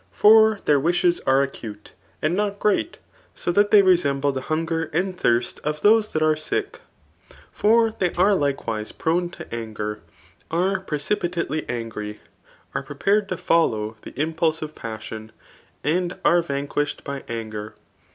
For their wishes are acute, and not great, so that they resemUe the hunger and thirst of those that are sick. They are likewise prone to are precipitately angry, are prepared to follow the pulse of passion, and are vanquished by anger.